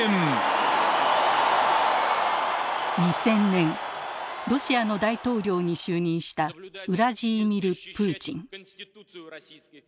２０００年ロシアの大統領に就任したウラジーミル・プーチン。